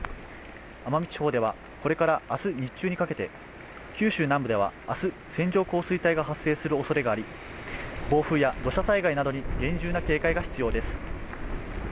奄美地方ではこれから明日日中にかけて、九州南部では明日線状降水帯が発生するおそれがあり、暴風や土砂災害などに厳重な警戒が必要です。